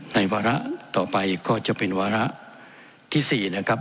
วาระต่อไปก็จะเป็นวาระที่๔นะครับ